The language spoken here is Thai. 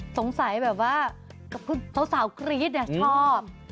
สงสัยแบบว่าเจ้าสาวกรี๊ดเนี่ยชอบ